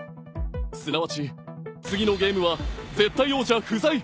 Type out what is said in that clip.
すなわち次のゲームは絶対王者不在！